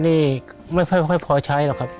ก็ทำร่างข้าวพ่อนนี้ไม่ค่อยพอใช้หรอกครับ